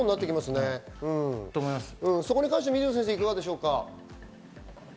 そこに関して水野先生、いかがでしょう。